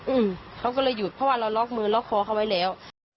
อืมเขาก็เลยหยุดเพราะว่าเราล็อกมือล็อกคอเขาไว้แล้ว